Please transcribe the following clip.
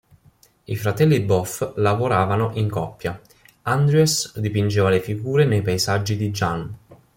I fratelli Both lavoravano in coppia: Andries dipingeva le figure nei paesaggi di Jan.